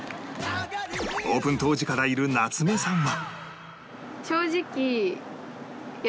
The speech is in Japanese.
オープン当時からいる夏目さんは